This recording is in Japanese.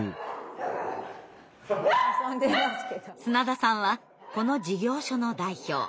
砂田さんはこの事業所の代表。